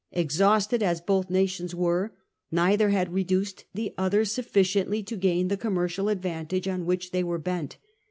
Exhausted as both nations were, neither had reduced the other sufficiently to gain the commercial advantages on which they were bent.